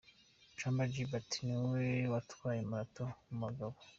Chumba Gilbert ni we watwaya marato mu bagabo.